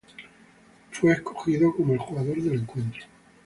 Él fue escogido como el jugador del encuentro.